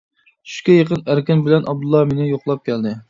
چۈشكە يېقىن ئەركىن بىلەن ئابدۇللا مېنى يوقلاپ كەلدى.